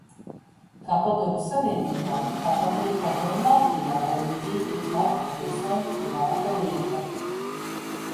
Kā Padomju Savienībā, tāpat arī Padomju Latvijā reliģija ir katra pilsoņa privāta lieta.